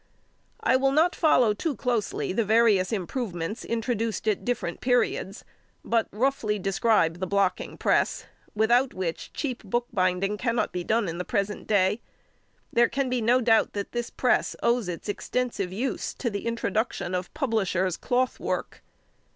I will not follow too closely the various improvements introduced at different periods, but roughly describe the blocking press, without which cheap bookbinding cannot be done at the present day. There can be no doubt that this press owes its extensive use to the introduction of publishers' cloth work.